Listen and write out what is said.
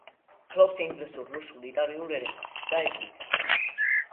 ფლობს ინგლისურ, რუსულ, იტალიურ ენებსა და ივრითს.